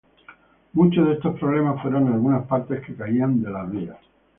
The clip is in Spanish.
Muchos de estos problemas fueron algunas partes que caían de las vías.